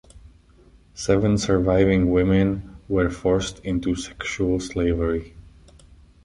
Seven surviving women were forced into sexual slavery.